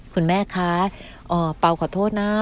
คุณแม่คะเปล่าขอโทษนะ